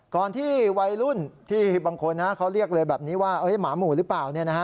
ก่อนที่วัยรุ่นที่บางคนเขาเรียกเลยแบบนี้ว่าหมาหมู่หรือเปล่า